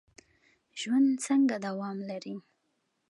ژوند څنګه دوام لري؟